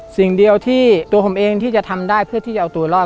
สิ่งเดียวที่ตัวผมเองที่จะทำได้เพื่อที่จะเอาตัวรอด